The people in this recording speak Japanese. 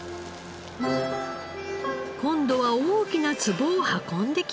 今度は大きなつぼを運んできました。